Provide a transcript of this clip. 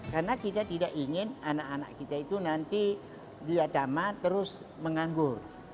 karena kita tidak ingin anak anak kita itu nanti dia tamat terus menganggur